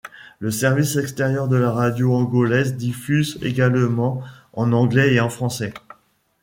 Le service extérieur de la radio angolaise diffuse également en anglais et en français.